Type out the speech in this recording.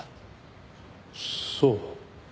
そう。